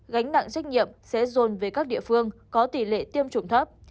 gánh nặng trách nhiệm sẽ dồn về các địa phương có tỷ lệ tiêm chủng thấp